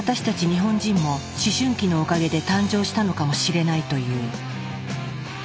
日本人も思春期のおかげで誕生したのかもしれないという。